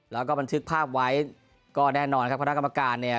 แล้วก็บันทึกภาพไว้ก็แน่นอนครับคณะกรรมการเนี่ย